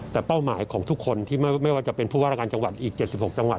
แต่เป้าหมายของทุกคนที่ไม่ว่าจะเป็นผู้ว่าราชการจังหวัดอีก๗๖จังหวัด